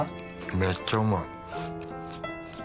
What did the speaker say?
めっちゃうまい。